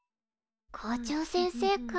校長先生か。